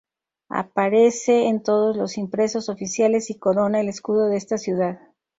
Aparece en todos los impresos oficiales y corona el escudo de esta ciudad.